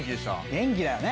元気だよね。